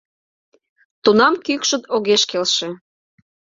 — Тунам кӱкшыт огеш келше.